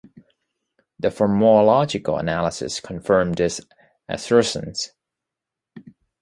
The morphological analysis confirmed this assertion.